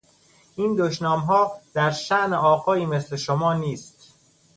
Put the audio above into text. این دشنامها در شان آقایی مثل شما نیست.